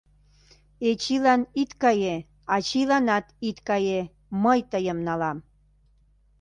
Эчилан ит кае, ачийланат ит кае, мый тыйым налам.